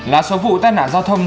là số vụ tết nạn giao thông